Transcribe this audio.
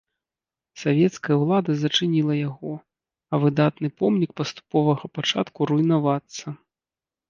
Савецкая ўлада зачыніла яго, а выдатны помнік паступовага пачатку руйнавацца.